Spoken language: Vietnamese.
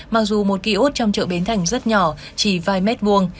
mặc dù một ký ốt trong chợ bến thành rất nhỏ chỉ vài mét vuông